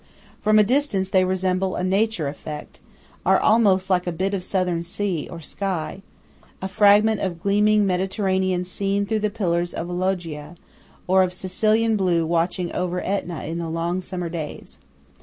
From a distance they resemble a Nature effect, are almost like a bit of Southern sea or of sky, a fragment of gleaming Mediterranean seen through the pillars of a loggia, or of Sicilian blue watching over Etna in the long summer days.